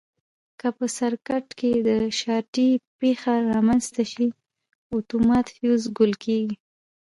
که په سرکټ کې د شارټي پېښه رامنځته شي اتومات فیوز ګل کېږي.